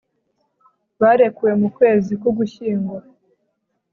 barekuwe mu kwezi k'ugushyingo